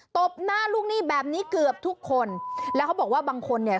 ตบหน้าลูกหนี้แบบนี้เกือบทุกคนแล้วเขาบอกว่าบางคนเนี่ย